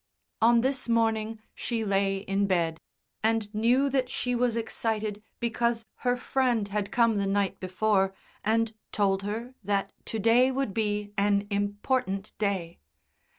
On this morning she lay in bed, and knew that she was excited because her friend had come the night before and told her that to day would be an important day.